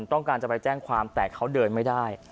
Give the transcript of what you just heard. ต้องการจะไปแจ้งความแต่เขาเดินไม่ได้